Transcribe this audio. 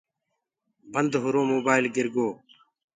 بند هوُرو موبآئيل گِرگو۔